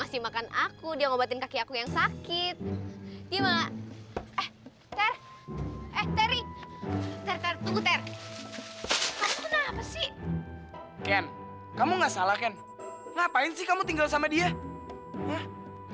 jadi gak konsen syuting gue nih